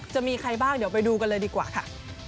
จะมีใครบ้างเดี๋ยวไปดูกันเลยดีกว่าค่ะ